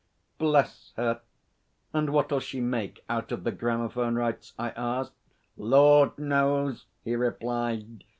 'Bless her! And what'll she make out of the gramophone rights?' I asked. 'Lord knows!' he replied.